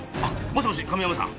もしもし亀山さん。